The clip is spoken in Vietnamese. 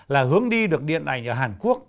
là hướng đi được điện ảnh ở hàn quốc